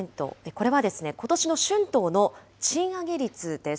これはですね、ことしの春闘の賃上げ率です。